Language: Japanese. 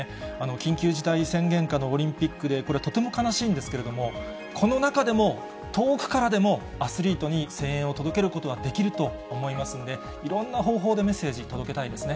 緊急事態宣言下のオリンピックで、これ、とても悲しいんですけれども、この中でも、遠くからでも、、アスリートに声援を届けることはできると思いますんで、いろんな方法でメッセージ、届けたいですね。